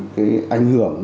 cái ảnh hưởng